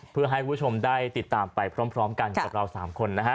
เพื่อให้คุณผู้ชมได้ติดตามไปพร้อมกันกับเรา๓คนนะฮะ